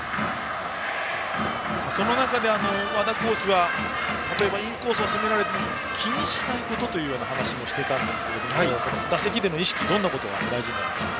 その中で和田コーチは例えばインコースを攻められても気にしないことというような話もしていたんですが打席での意識、どんなことが大事になってくるでしょうか。